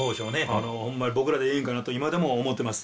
あのほんまに僕らでええんかなと今でも思ってます。